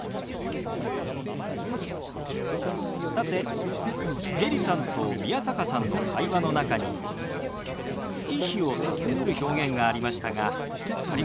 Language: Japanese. さてエリさんと宮坂さんの会話の中に月日を尋ねる表現がありましたが分かりましたか？